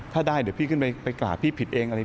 ถ้าได้เดี๋ยวพี่ขึ้นไปกราบพี่ผิดเองอะไร